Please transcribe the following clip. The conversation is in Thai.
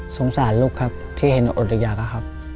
สงสารลูกครับที่เห็นอดระยะครับ